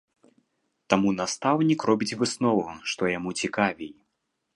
Таму настаўнік робіць выснову, што яму цікавей.